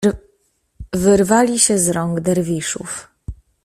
Wyrwali się z rąk Derwiszów.